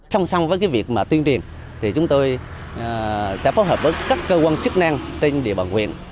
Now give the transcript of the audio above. song song với việc tuyên truyền chúng tôi sẽ phóng hợp với các cơ quan chức năng trên địa bàn huyện